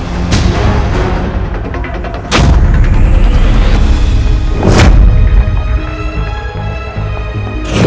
dengan jurus brajamu sendiriasa